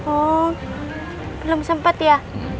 oh belum sempat ya